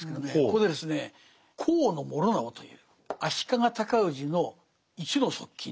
ここでですね高師直という足利尊氏の一の側近。